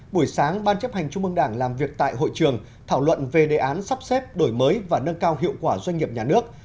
buổi sáng ban chấp hành trung mương đảng làm việc tại hội trường thảo luận về đề án sắp xếp đổi mới và nâng cao hiệu quả doanh nghiệp nhà nước